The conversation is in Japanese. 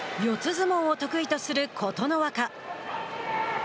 相撲を得意とする琴ノ若。